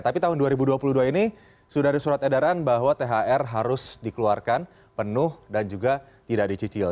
tapi tahun dua ribu dua puluh dua ini sudah ada surat edaran bahwa thr harus dikeluarkan penuh dan juga tidak dicicil